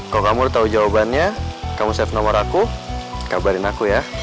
kalau kamu harus tahu jawabannya kamu save nomor aku kabarin aku ya